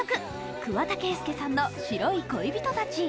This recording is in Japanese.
桑田佳祐さんの「白い恋人たち」。